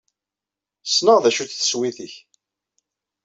Ssneɣ d acu-tt tewsit-ik.